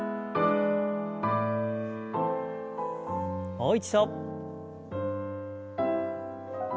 もう一度。